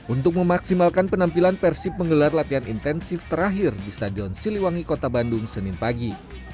untuk memaksimalkan penampilan persib menggelar latihan intensif terakhir di stadion siliwangi kota bandung senin pagi